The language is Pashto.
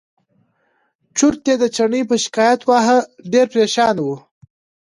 چورت یې د چڼي په شکایت وواهه ډېر پرېشانه و.